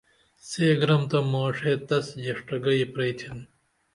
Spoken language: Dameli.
سے گرم تہ ماڜے تسہ جیڜٹہ گئی پریئتھین